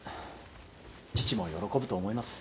父も喜ぶと思います。